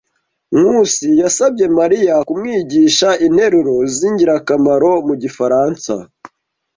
Nkusi yasabye Mariya kumwigisha interuro zingirakamaro mu gifaransa.